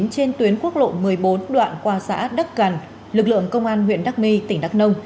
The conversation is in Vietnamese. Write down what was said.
trên tuyến quốc lộ một mươi bốn đoạn qua xã đắc cần lực lượng công an huyện đắc my tỉnh đắk nông